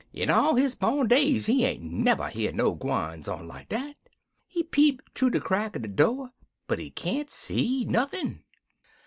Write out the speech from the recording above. In all his born days he ain't never hear no gwines on like dat. He peep thoo de crack er de door, but he can't see nothin'.